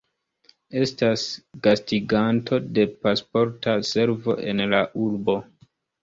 Estas gastiganto de Pasporta Servo en la urbo.